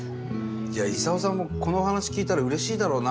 いや功さんもこの話聞いたらうれしいだろうな。